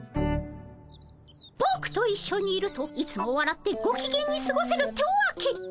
ぼくと一緒にいるといつもわらってごきげんにすごせるってわけ。